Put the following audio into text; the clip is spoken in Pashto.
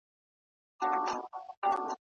له پخوانو کمبلو پاته دوې ټوټې دي وړې